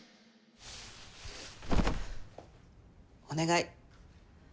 お願い。